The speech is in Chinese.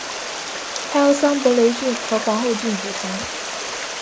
它由桑伯雷郡和皇后郡组成。